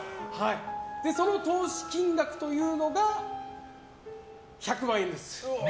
その投資金額というのが１００万円です。